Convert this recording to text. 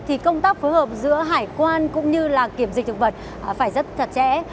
thì công tác phối hợp giữa hải quan cũng như kiểm dịch thực vật phải rất thật trẻ